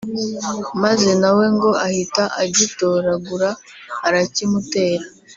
maze na we ngo ahita agitoragura arakimutera